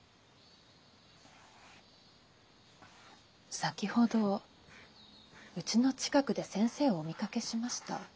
先ほどうちの近くで先生をお見かけしました。